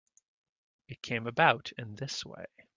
It came about in this way.